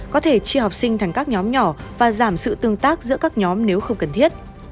có thể chia học sinh thành các nhóm nhỏ và giảm sự tương tác giữa các nhóm nếu không cần thiết